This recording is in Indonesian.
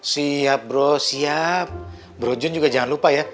siap bro siap bro jun juga jangan lupa ya